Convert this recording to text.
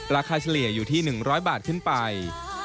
เฉลี่ยอยู่ที่๑๐๐บาทขึ้นไป